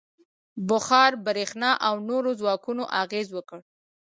• بخار، برېښنا او نورو ځواکونو اغېز وکړ.